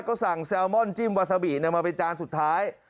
ก็สั่งแซลมอนจิ้มวาซาบิมาเป็นจานสุดท้าย